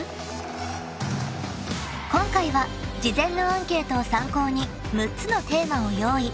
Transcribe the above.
［今回は事前のアンケートを参考に６つのテーマを用意］